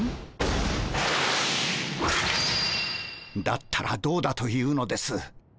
だったらどうだというのです。